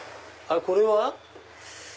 これは？